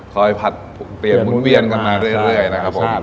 ผัดเปลี่ยนหมุนเวียนกันมาเรื่อยนะครับผม